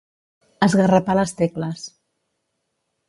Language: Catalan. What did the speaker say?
Esgarrapar les tecles.